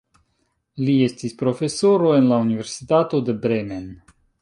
Li estis profesoro en la Universitato de Bremen.